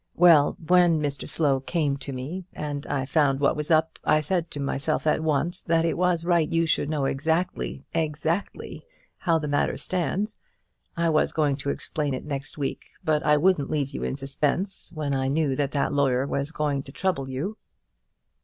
Well, when Mr Slow came to me and I found what was up, I said to myself at once that it was right you should know exactly exactly how the matter stands. I was going to explain it next week, but I wouldn't leave you in suspense when I knew that that lawyer was going to trouble you."